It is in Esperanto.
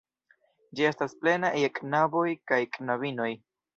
Ĝi estas plena je knaboj kaj knabinoj.